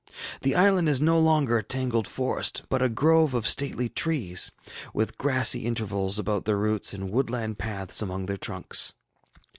The island is no longer a tangled forest, but a grove of stately trees, with grassy intervals about their roots and woodland paths among their trunks.